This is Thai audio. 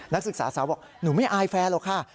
นักศึกษาสาวบอกหนูไม่อายแฟนหรอกค่ะ